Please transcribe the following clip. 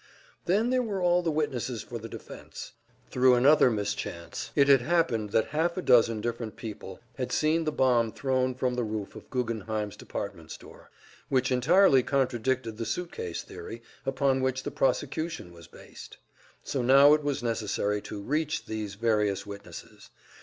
Then there were all the witnesses for the defense. Thru another mischance it had happened that half a dozen different people had seen the bomb thrown from the roof of Guggenheim's Department Store; which entirely contradicted the suit case theory upon which the prosecution was based. So now it was necessary to "reach" these various witnesses.